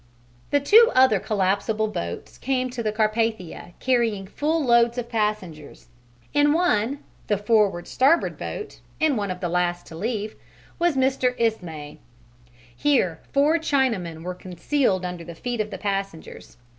The two other collapsible boats came to the Carpathia carrying full loads of passengers: in one, the forward starboard boat and one of the last to leave, was Mr. Ismay. Here four Chinamen were concealed under the feet of the passengers.